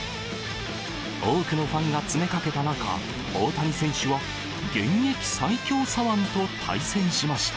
多くのファンが詰めかけた中、大谷選手は現役最強左腕と対戦しました。